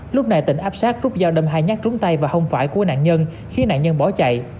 lúc này tỉnh áp sát rút dao đâm hai nhát trúng tay và hông phải của nạn nhân khiến nạn nhân bỏ chạy